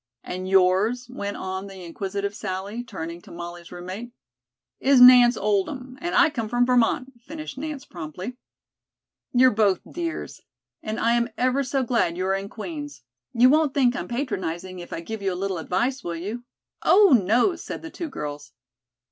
"And yours?" went on the inquisitive Sally, turning to Molly's roommate. "Is Nance Oldham, and I come from Vermont," finished Nance promptly. "You're both dears. And I am ever so glad you are in Queens. You won't think I'm patronizing if I give you a little advice, will you?" "Oh, no," said the two girls.